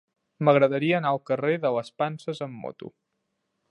M'agradaria anar al carrer de les Panses amb moto.